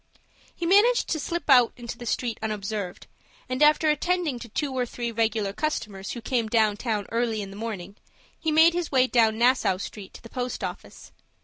He managed to slip out into the street unobserved, and, after attending to two or three regular customers who came down town early in the morning, he made his way down Nassau Street to the post office.